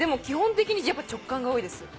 基本的にやっぱ直感が多いです。